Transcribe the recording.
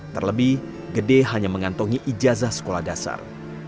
terlebih gede hanya mengantongi ijazah sekolah dasar